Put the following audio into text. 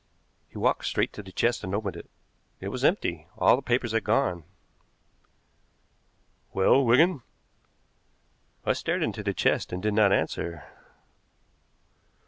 He walked straight to the chest and opened it. It was empty. All the papers had gone. "Well, Wigan?" I stared into the chest and did not answer.